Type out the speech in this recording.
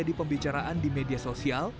lima hari tidur di sini